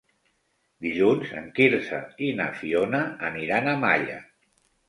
Dilluns en Quirze i na Fiona aniran a Malla.